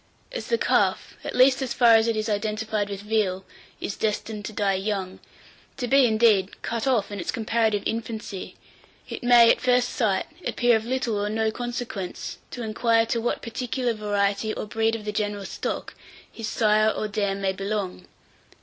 As the calf, at least as far as it is identified with veal, is destined to die young, to be, indeed, cut off in its comparative infancy, it may, at first sight, appear of little or no consequence to inquire to what particular variety, or breed of the general stock, his sire or dam may belong.